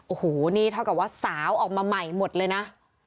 โอ้โหนี่เท่ากับว่าสาวออกมาใหม่หมดเลยนะ